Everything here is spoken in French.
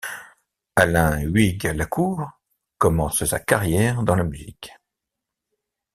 Alain Huyghues-Lacour commence sa carrière dans la musique.